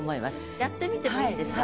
やってみてもいいですか。